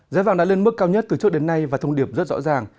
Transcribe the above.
giá vàng đã lên mức cao nhất từ trước đến nay và thông điệp rất rõ ràng